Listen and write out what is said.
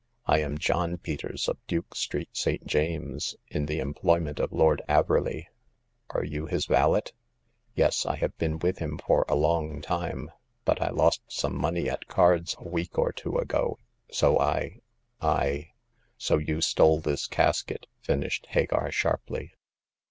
I am John Peters, of Duke Street, St. James's, in the em ployment of Lord Averley." You are his valet ?"" Yes ; I have been with him for a long time ; but I lost some money at cards a week or two ago, so I— I "So you stole this casket," finished Hagar^ sharply.